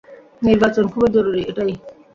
নির্বাচন খুবই জরুরী, এটাই।